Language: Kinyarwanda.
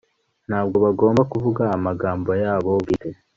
Ntabwo bagomba kuvuga amagambo yabo bwite